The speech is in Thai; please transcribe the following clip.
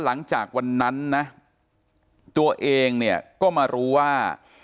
หลังจากวันนั้นนะตัวเองเนี่ยก็มารู้ว่า